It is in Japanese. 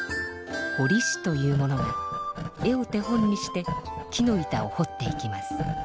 ほりしという者が絵を手本にして木の板をほっていきます。